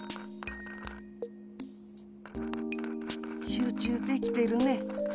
集中できてるね。